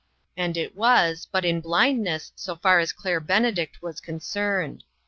And it was, but iu blindness, so far as Claire Ben edict was concerned.